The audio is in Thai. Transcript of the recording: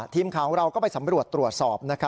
ทีมข่าวของเราก็ไปสำรวจตรวจสอบ